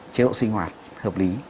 chế độ sinh hoạt hợp lý